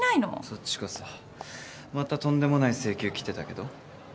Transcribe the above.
そっちこそまたとんでもない請求来てたけど？